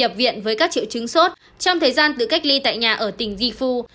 nhập viện với các triệu chứng sốt trong thời gian tự cách ly tại nhà ở tỉnh gifu